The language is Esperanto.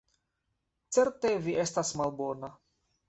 Certe vi estas malbona.